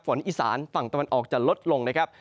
อีสานฝั่งตะวันออกจะลดลงนะครับ